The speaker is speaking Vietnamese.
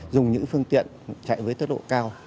dùng những phương tiện chạy với tốc độ cao